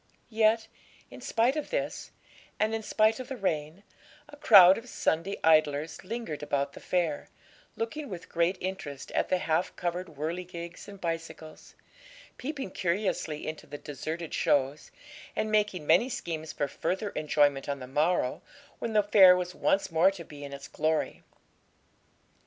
Yet, in spite of this, and in spite of the rain, a crowd of Sunday idlers lingered about the fair, looking with great interest at the half covered whirligigs and bicycles, peeping curiously into the deserted shows, and making many schemes for further enjoyment on the morrow, when the fair was once more to be in its glory.